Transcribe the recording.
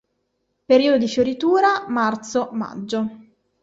Periodo di fioritura: marzo-maggio.